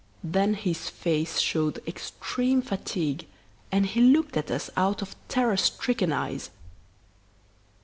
Then his face showed extreme fatigue and he looked at us out of terror stricken eyes.